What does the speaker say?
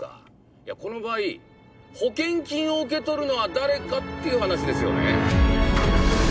いやこの場合保険金を受け取るのは誰かっていう話ですよね。